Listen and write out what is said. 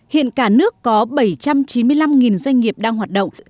hiện cả nước có bảy trăm chín mươi năm doanh nghiệp đang hoạt động